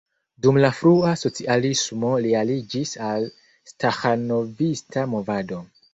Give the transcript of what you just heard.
Dum la frua socialismo li aliĝis al staĥanovista movado.